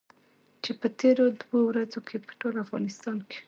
چې په تېرو دوو ورځو کې په ټول افغانستان کې.